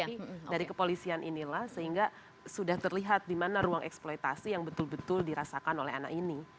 tapi dari kepolisian inilah sehingga sudah terlihat di mana ruang eksploitasi yang betul betul dirasakan oleh anak ini